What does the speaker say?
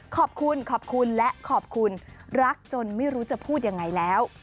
ขอบคุณขอบคุณและขอบคุณรักจนไม่รู้จะพูดยังไงแล้ว